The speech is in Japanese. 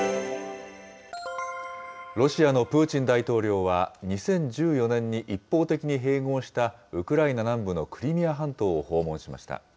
ロシアのプーチン大統領は、２０１４年に一方的に併合したウクライナ南部のクリミア半島を訪問しました。